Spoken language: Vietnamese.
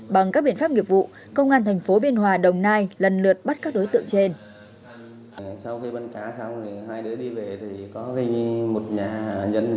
bằng các biện pháp nghiệp vụ công an thành phố biên hòa đồng nai lần lượt bắt các đối tượng trên